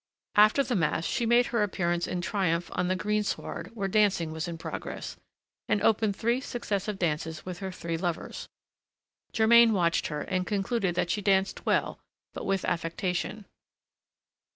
After the Mass, she made her appearance in triumph on the greensward where dancing was in progress, and opened three successive dances with her three lovers. Germain watched her, and concluded that she danced well, but with affectation.